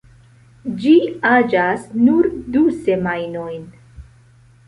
Ĝi aĝas nur du semajnojn.